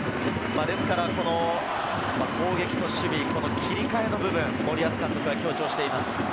攻撃と守備、切り替えの部分、森保監督が強調しています。